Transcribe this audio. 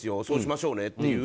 そうしましょうねと。